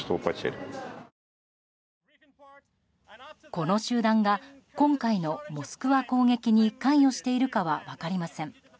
この集団が今回のモスクワ攻撃に関与しているかは分かりません。